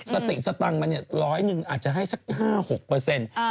สติสตังค์มันเนี่ยร้อยหนึ่งอาจจะให้สัก๕๖เปอร์เซ็นต์